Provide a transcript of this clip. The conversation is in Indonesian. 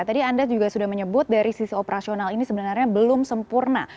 tadi anda juga sudah menyebut dari sisi operasional ini sebenarnya belum sempurna